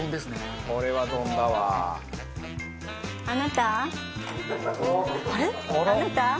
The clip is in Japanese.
あなた。